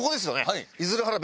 はい。